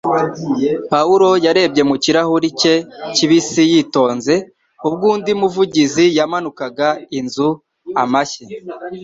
Pawulo yarebye mu kirahuri cye kibisi yitonze ubwo undi muvugizi yamanukaga inzu amashyi